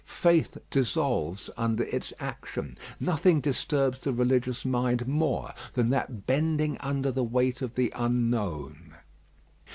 Faith dissolves under its action. Nothing disturbs the religious mind more than that bending under the weight of the unknown.